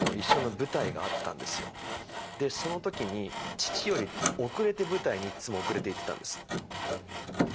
でその時に父より遅れて舞台にいつも遅れて行ってたんです。